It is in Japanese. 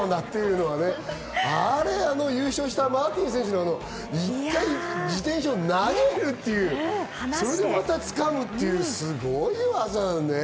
あの優勝したマーティン選手の１回、自転車を投げて、またつかむという、すごい技だね。